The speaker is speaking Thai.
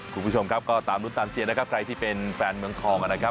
คุณผู้ชมครับก็ตามรุ้นตามเชียร์นะครับใครที่เป็นแฟนเมืองทองนะครับ